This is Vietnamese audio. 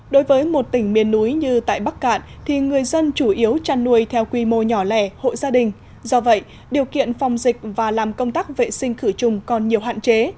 đối với một tỉnh miền núi như tại bắc cạn thì người dân chủ yếu trăn nuôi theo quy mô nhỏ lẻ hội gia đình do vậy điều kiện phòng dịch và làm công tác vệ sinh khử trùng còn nhiều hạn chế